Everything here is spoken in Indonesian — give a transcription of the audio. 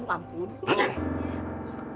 jangan jangan selalu duduk